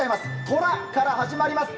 トラから始まります。